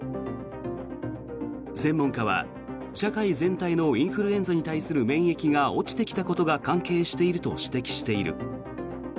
専門家は社会全体のインフルエンザに対する免疫が落ちてきたことが関係していると指摘している。